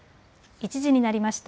１時になりました。